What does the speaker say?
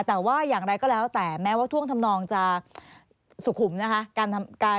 แต่ว่าอย่างไรก็แล้วแต่แม้ว่าท่วงทำนองจะสุขุมนะคะ